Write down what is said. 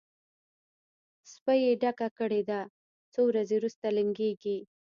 سپۍ یې ډکه کړې ده؛ څو ورځې روسته لنګېږي.